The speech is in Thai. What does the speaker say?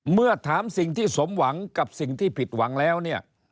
เมื่อถามสิ่งที่สมหวังกับสิ่งที่ผิดหวังแล้วเนี่ย